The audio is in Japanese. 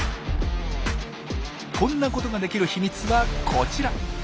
こんなことができる秘密はこちら。